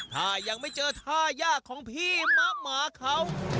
ถ้ายังไม่เจอท่ายากของพี่มะหมาเขา